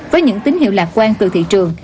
với những tín hiệu lạc quan từ thị trường